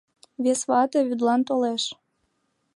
Вес вате вӱдлан толеш.